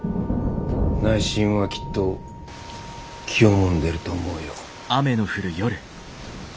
内心はきっと気をもんでると思うよ。